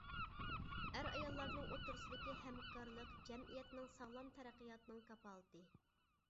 ئەر-ئاياللارنىڭ ئوتتۇرىسىدىكى ھەمكارلىق جەمئىيەتنىڭ ساغلام تەرەققىياتىنىڭ كاپالىتى.